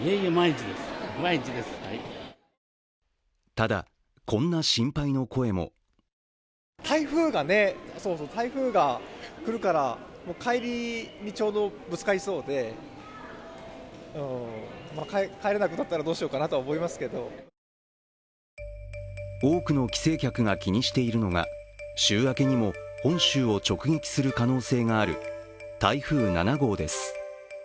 ただ、こんな心配の声も多くの帰省客が気にしているのが週明けにも本州を直撃する可能性がある台風７号です。